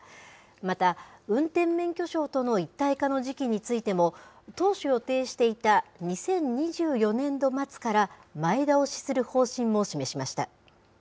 また運転免許証との一体化の時期についても、当初予定していた２０２４年度末から前倒しする方針も示しました。